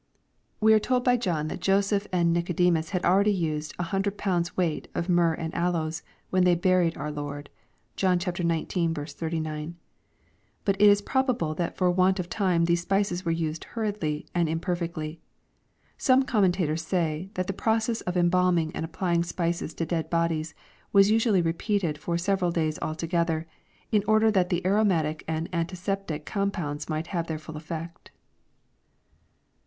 ] We are told by John that Joseph and Nicodemug 496 EXPOSITORY THOUGHTS. had already used " a hundred pounds weight" of myrrh and aloes, when they buried our Lord. (John xix. 39.) But it 'is probable that for want of time these spices were used hurriedly and imper fectly. Some commentators say, that the process of embalming and applying spices to dead bodies, was usually repeated for seve ral days together, in order that the aromatic and antiseptic com pounds m ight have their full effect.